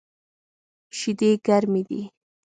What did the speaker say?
شیدې ګرمی دی